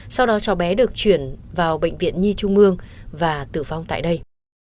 sau đó cháu bé được chuyển vào bệnh viện nhi trung mương và tử vong tại đây